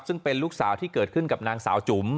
ซึ่งเป็นลูกสาวที่เกิดขึ้นกับนางสาวจุ๋ม